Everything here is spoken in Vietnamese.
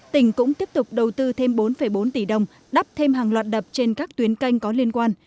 tỉnh cũng tiếp tục đầu tư thêm bốn bốn tỷ đồng đắp thêm hàng loạt đập trên các tuyến canh có liên quan